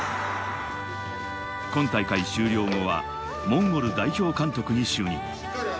今大会終了後はモンゴル代表監督に就任。